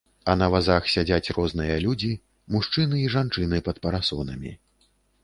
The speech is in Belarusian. А на вазах сядзяць розныя людзі, мужчыны і жанчыны пад парасонамі.